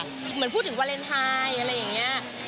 เหมือนพูดถึงวาเลนไทยอะไรอย่างนี้